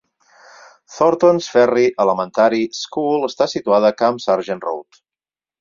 Thorntons Ferry Elementary School està situada a Camp Sargent Road.